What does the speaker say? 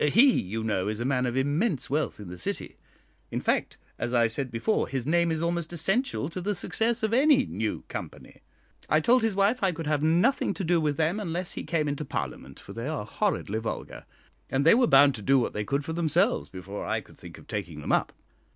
He, you know, is a man of immense wealth in the City in fact, as I said before, his name is almost essential to the success of any new company. I told his wife I could have nothing to do with them unless he came into Parliament, for they are horridly vulgar, and they were bound to do what they could for themselves before I could think of taking them up.